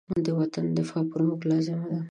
د وطن دفاع پر موږ لازمه ده.